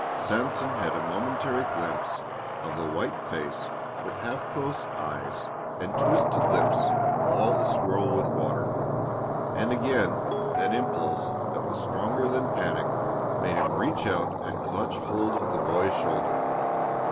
Sanson had a momentary glimpse of the white face with half closed eyes and twisted lips all a swirl with water, and again that impulse that was stronger than panic made him reach out and catch hold of the boy's shoulder.